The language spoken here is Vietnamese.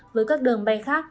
với các đường bay khác